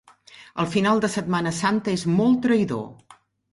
El final de Setmana Santa és molt traïdor.